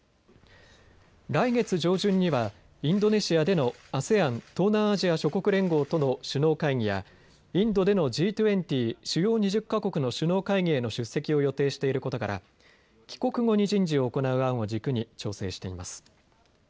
来月上旬にはインドネシアでのＡＳＥＡＮ・東南アジア諸国連合との首脳会議やインドでのＧ２０・主要２０か国の首脳会議への出席を予定していることから帰国後に人事を行う案を軸に調整しています。